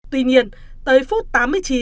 tuy nhiên tới phút tám mươi chín